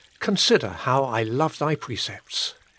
Consider how I love Thy precepts.